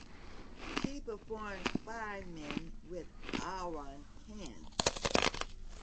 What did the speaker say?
She performed "Feimin(n)" with Aron Can.